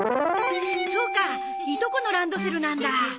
そうかいとこのランドセルなんだ。